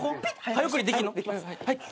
早送りできんの？